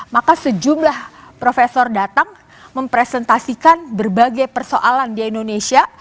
maka sejumlah profesor datang mempresentasikan berbagai persoalan di indonesia